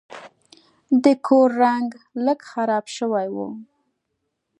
د کور رنګ لږ خراب شوی و.